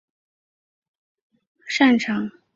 擅长在树上攀援。